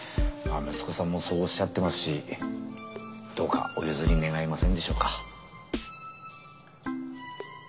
息子さんもそうおっしゃってますしどうかお譲り願えませんでしょうか？